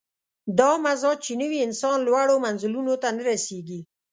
دا مزاج چې نه وي، انسان لوړو منزلونو ته نه رسېږي.